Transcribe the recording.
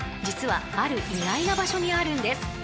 ［実はある意外な場所にあるんです］